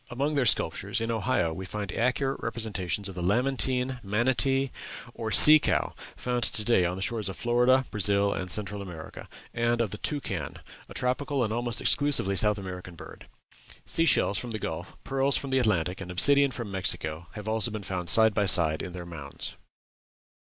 Among their sculptures, in Ohio, we find accurate representations of the lamantine, manatee, or sea cow found to day on the shores of Florida, Brazil, and Central America and of the toucan, a tropical and almost exclusively South American bird. Sea shells from the Gulf, pearls from the Atlantic, and obsidian from Mexico, have also been found side by side in their mounds.